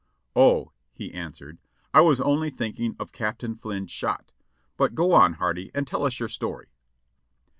"O," he answered, "I was only thinking of Captain Flynn's shot. But go on, Hardy, and tell us your story."